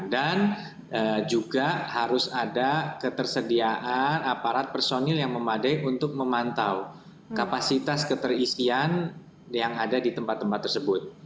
dan juga harus ada ketersediaan aparat personil yang memadai untuk memantau kapasitas keterisian yang ada di tempat tempat tersebut